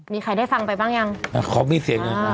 มีใครได้ฟังไปบ้างยังอ่าขอมีเสียงหน่อย